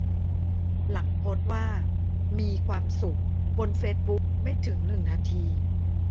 หลังโพสต์ว่า "มีความสุข" บนเฟซบุ๊กไม่ถึงหนึ่งนาที